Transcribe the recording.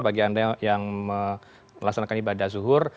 bagi anda yang melaksanakan ibadah zuhur